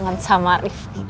kangen sama rifki